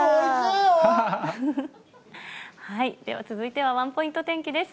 では続いてはワンポイント天気です。